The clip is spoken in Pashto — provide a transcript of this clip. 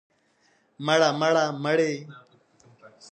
مړ، مړه، مړه، مړې.